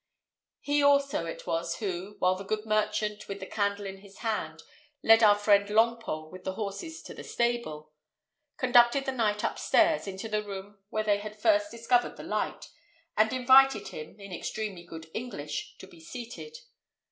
He also it was who, while the good merchant, with the candle in his hand, led our friend Longpole with the horses to the stable, conducted the knight up stairs into the room where they had first discovered the light, and invited him, in extremely good English, to be seated.